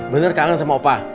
bener kangen sama opa